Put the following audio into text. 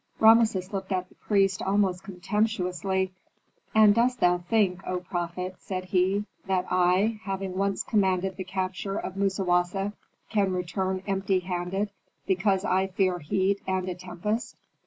Rameses looked at the priest almost contemptuously. "And dost thou think, O prophet," said he, "that I, having once commanded the capture of Musawasa, can return empty handed because I fear heat and a tempest?"